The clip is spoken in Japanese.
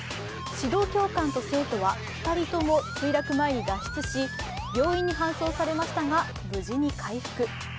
指導教官と生徒は２人とも墜落前に脱出し病院に搬送されましたが無事に回復。